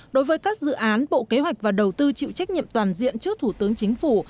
đối với các dự án bộ kế hoạch và đầu tư chịu trách nhiệm toàn diện trước thủ tướng chính phủ